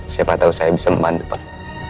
siapa tahu saya bisa membantu pak